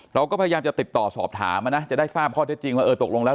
เราก็พยายามจะติดต่อสอบถามนะจะได้ทราบข้อเท็จจริงว่าเออตกลงแล้ว